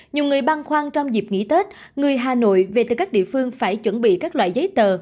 nhiều người băn khoăn trong dịp nghỉ tết người hà nội về từ các địa phương phải chuẩn bị các loại giấy tờ